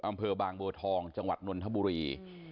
อำเภอบางบัวทองจังหวัดนนทบุรี